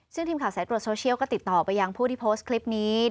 ซึ่งทีมข่าวสายตรวจโซเชียลก็ติดต่อไปยังผู้ที่โพสต์คลิปนี้